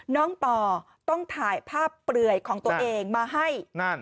น้องปอต้องถ่ายภาพเปลื่อยของตัวเองมาให้